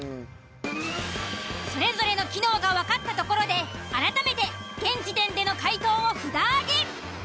それぞれの機能がわかったところで改めて現時点での解答を札挙げ。